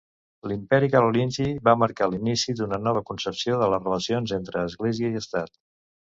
L'Imperi carolingi va marcar l'inici d'una nova concepció de les relacions entre església i estat.